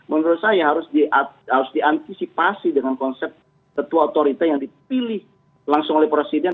menurut saya harus diantisipasi dengan konsep ketua otorita yang dipilih langsung oleh presiden